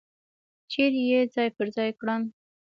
چیرې یې ځای پر ځای کړل.